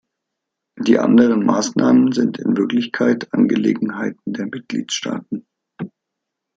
Die anderen Maßnahmen sind in Wirklichkeit Angelegenheiten der Mitgliedstaaten.